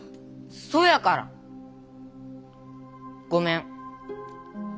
そやからごめん。